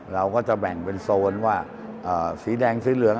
เราก็จะแบ่งเป็นโซนว่าสีแดงสีเหลือง